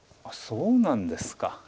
そうなんですか。